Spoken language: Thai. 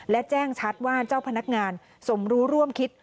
และแจ้งชัดว่าเจ้าพนักงานสมรู้ร่วมคิด